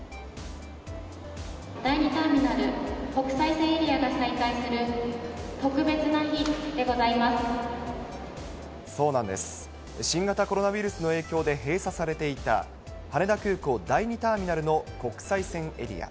第２ターミナル国際線エリアそうなんです、新型コロナウイルスの影響で閉鎖されていた、羽田空港第２ターミナルの国際線エリア。